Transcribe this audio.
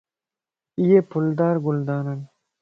ايي ڦولدار گلدانن